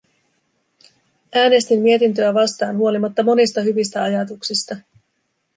Äänestin mietintöä vastaan huolimatta monista hyvistä ajatuksista.